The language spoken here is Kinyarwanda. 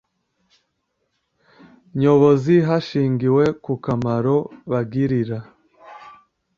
nyobozi hashingiwe ku kamaro bagirira